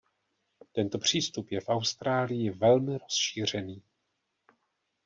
Tento přístup je v Austrálii velmi rozšířený.